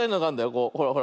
こうほらほら。